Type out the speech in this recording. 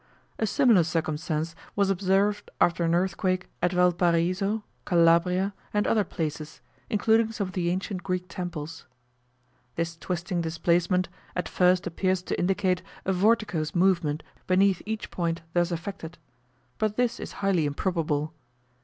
A similar circumstance was observed after an earthquake at Valparaiso, Calabria, and other places, including some of the ancient Greek temples. This twisting displacement, at first appears to indicate a vorticose movement beneath each point thus affected; but this is highly improbable.